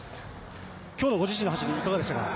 今日のご自身の走り、いかがでしたか？